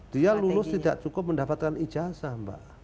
dia lulus tidak cukup mendapatkan ijazah mbak